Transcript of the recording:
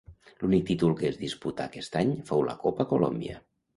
L'únic títol que es disputà aquest any fou la Copa Colòmbia.